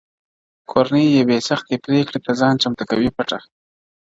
کورنۍ يوې سختې پرېکړې ته ځان چمتو کوي پټه,